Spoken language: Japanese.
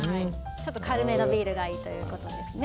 ちょっと軽めのビールがいいということですね。